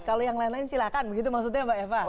kalau yang lain lain silahkan begitu maksudnya mbak eva